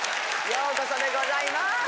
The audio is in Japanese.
ようこそでございます。